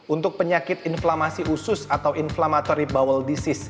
untuk penyakit inflamasi usus atau infeksi